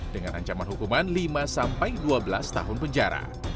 dengan ancaman hukuman lima sampai dua belas tahun penjara